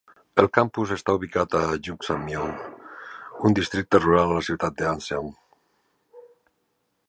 El campus està ubicat a Juksan-myeon, un districte rural de la ciutat d'Anseong.